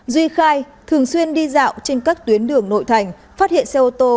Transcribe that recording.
duy khai thường xuyên đi dạo trên các tuyến đường nội thành phát hiện xe ô tô